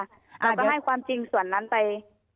เราก็ให้ความจริงส่วนนั้นไป